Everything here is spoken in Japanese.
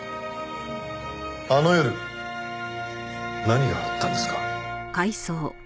あの夜何があったんですか？